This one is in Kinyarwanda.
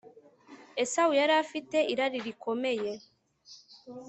Esawu yari afite irari rikomeye